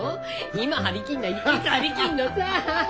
今張り切んないでいつ張り切んのさ！